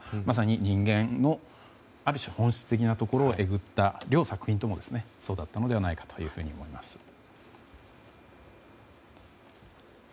まさに人間のある種本質的なところをえぐった両作品ともそうだったのではないかなと思います。